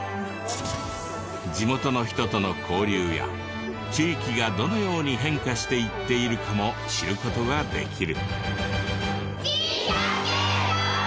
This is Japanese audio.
地元の人との交流や地域がどのように変化していっているかも知る事ができる。